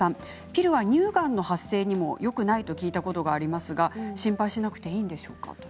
ピルは乳がん発生にもよくないと聞いたことがありますが心配しなくていいでしょうか。